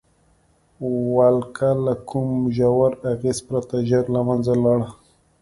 ولکه له کوم ژور اغېز پرته ژر له منځه لاړه.